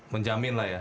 menjamin lah ya